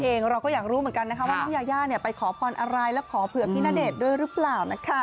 หวังนั่นเองเราก็อยากรู้เหมือนกันนะคะว่าน้องยาย่าเนี่ยไปขอพรอะไรแล้วขอเผื่อพี่ณเดชน์ด้วยรึเปล่านะคะ